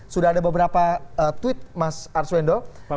sudah ada beberapa tweet mas arswendo